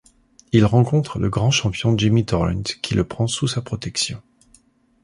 Il rencontre le grand champion Jimmy Torrent, qui le prend sous sa protection.